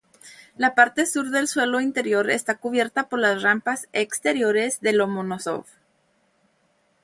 La parte sur del suelo interior está cubierta por las rampas exteriores de Lomonosov.